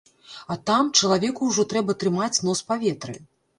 А там, чалавеку ўжо трэба трымаць нос па ветры.